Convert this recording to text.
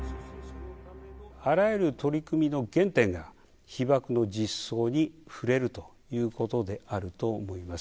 あらゆる取り組みの原点が、被爆の実相に触れるということであると思います。